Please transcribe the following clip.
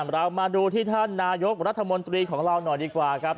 เรามาดูที่ท่านนายกรัฐมนตรีของเราหน่อยดีกว่าครับ